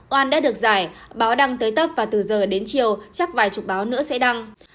oan đã được giải báo đăng tới tấp và từ giờ đến chiều chắc vài chục báo nữa sẽ đăng